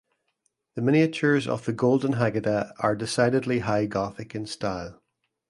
The miniatures of the Golden Haggadah are decidedly High Gothic in style.